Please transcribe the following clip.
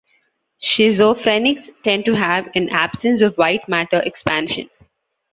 Schizophrenics tend to have an absence of white matter expansion.